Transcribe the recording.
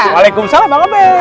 waalaikumsalam pak obed